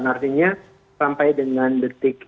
dan artinya sampai dengan detik